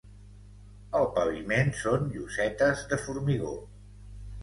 El paviment són llosetes de formigó.